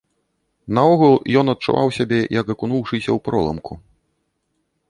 Наогул, ён адчуваў сябе, як акунуўшыся ў проламку.